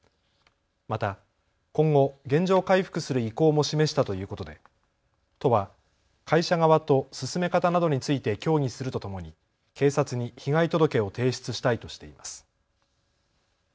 また今後、原状回復する意向も示したということで都は会社側と進め方などについて協議するとともに警察に被害届を提出したいとしています。